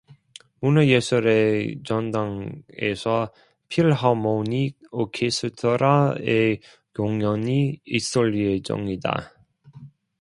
문화예술의 전당에서 필하모닉 오케스트라의 공연이 있을 예정이다.